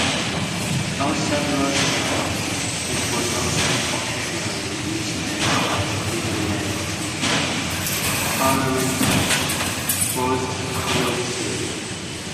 Outside Russia it was also occasionally used as a given name, honoring Boris Yeltsin.